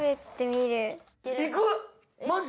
いく⁉マジ？